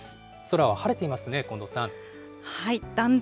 空は晴れていますね、近藤さん。